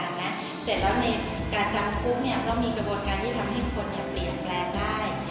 เสร็จแล้วในการจำคุกก็มีกระบวนการที่ทำให้ทุกคนเปลี่ยนแปลงได้